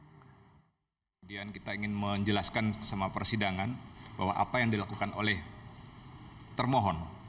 kemudian kita ingin menjelaskan sama persidangan bahwa apa yang dilakukan oleh termohon